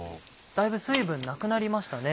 だいぶ水分なくなりましたね。